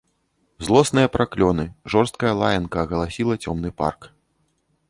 Злосныя праклёны, жорсткая лаянка агаласіла цёмны парк.